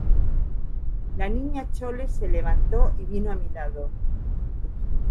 la Niña Chole se levantó y vino a mi lado.